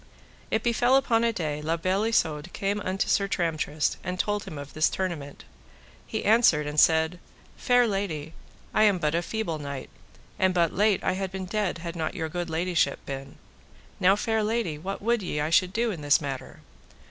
It befell upon a day La Beale Isoud came unto Sir Tramtrist, and told him of this tournament. He answered and said: Fair lady, I am but a feeble knight, and but late I had been dead had not your good ladyship been. Now, fair lady, what would ye I should do in this matter?